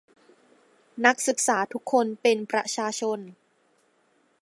นักศึกษาทุกคนเป็นประชาชน